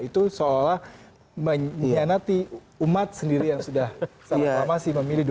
itu seolah menyianati umat sendiri yang sudah lama memilih dua nama sendiri